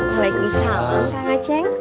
waalaikumsalam kang aceh